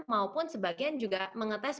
maupun sebagian juga mengetes